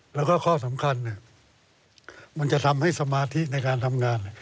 แล้วก็ข้อสำคัญมันจะทำให้สมาธิในการทำงาน